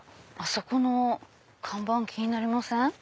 あそこの看板気になりません？